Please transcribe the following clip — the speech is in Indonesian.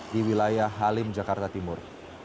di wilayah halim jakarta timur